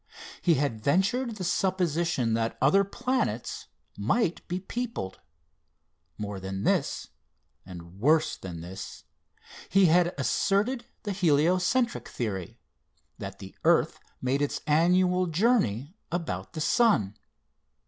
He had ventured the supposition that other planets might be peopled. More than this, and worse than this, he had asserted the heliocentric theory that the earth made its annual journey about the sun.